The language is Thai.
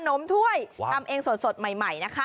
หน่อยขนมถ้วยทำเองสดใหม่